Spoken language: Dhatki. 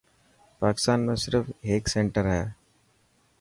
پاڪستان ۾ صرف هيڪ سينٽر هي.